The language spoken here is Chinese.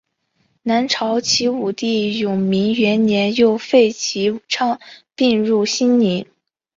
南朝齐武帝永明元年又废齐昌并入兴宁。